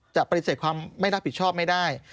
ปฏิเสธความไม่รับผิดชอบไม่ได้